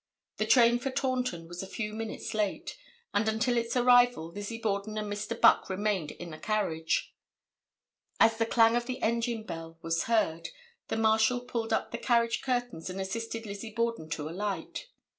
The train for Taunton was a few minutes late, and until its arrival Lizzie Borden and Mr. Buck remained in the carriage. As the clang of the engine bell was heard, the Marshal pulled up the carriage curtains and assisted Lizzie Borden to alight.